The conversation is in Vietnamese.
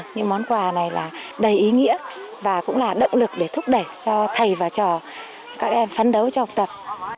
những món quà này là đầy ý nghĩa và cũng là động lực để thúc đẩy cho thầy và trò các em phấn đấu cho học tập